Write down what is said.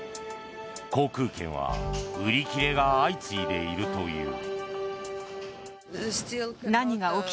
航空券は売り切れが相次いでいるという。